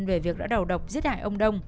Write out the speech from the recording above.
về việc đã đầu độc giết hại ông đông